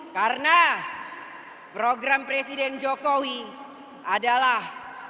karena program presiden jokowi adalah